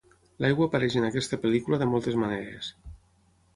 L'aigua apareix en aquesta pel·lícula de moltes maneres.